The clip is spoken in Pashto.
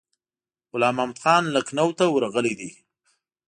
غلام محمدخان لکنهو ته ورغلی دی.